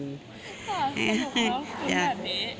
สนุกแล้วรุ้นแบบนี้